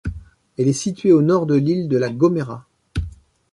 Elle est située au nord de l'île de La Gomera.